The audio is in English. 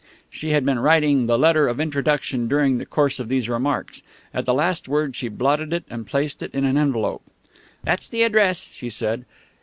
She had been writing the letter of introduction during the course of these remarks. At the last word she blotted it, and placed it in an envelope. "That's the address," she said.